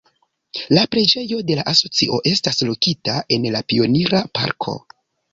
La Preĝejo de la Asocio estas lokita en la Pionira Parko.